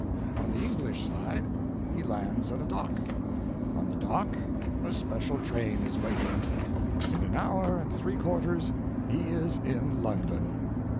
On the English side he lands at a dock; on the dock a special train is waiting; in an hour and three quarters he is in London.